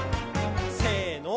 せの。